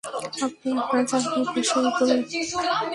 আপনি আপনার জায়গায় বসে পড়ুন।